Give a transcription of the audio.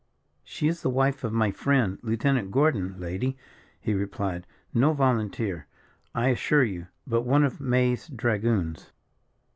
"She is the wife of my friend, Lieutenant Gordon, lady," he replied; "no volunteer, I assure you, but one of May's dragoons."